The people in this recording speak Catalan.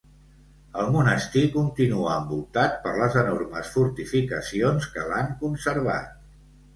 El monestir continua envoltat per les enormes fortificacions que l'han conservat.